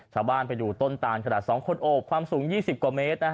ชาวบ้านไปอยู่ต้นตานขนาด๒คนโอบความสูง๒๐กว่าเมตร